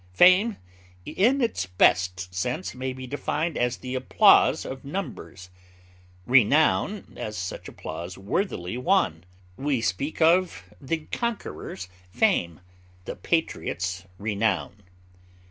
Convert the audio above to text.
Fame in its best sense may be defined as the applause of numbers; renown, as such applause worthily won; we speak of the conqueror's fame, the patriot's renown.